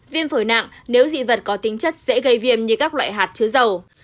viêm phổi nặng nếu dị vật có tính chất dễ gây viêm như các loại hạt chứa dầu